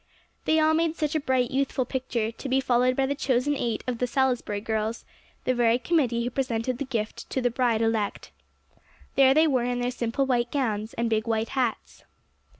They all made such a bright, youthful picture, to be followed by the chosen eight of the "Salisbury girls," the very committee who presented the gift to the bride elect. There they were in their simple white gowns and big white hats.